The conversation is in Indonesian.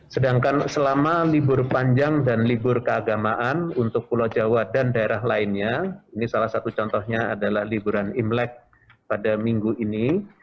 sedangkan selama libur panjang dan libur keagamaan untuk pulau jawa dan daerah lainnya ini salah satu contohnya adalah liburan imlek pada minggu ini